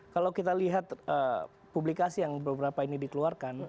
kalau kita lihat publikasi yang beberapa ini dikeluarkan